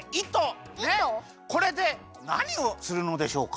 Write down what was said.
これでなにをするのでしょうか？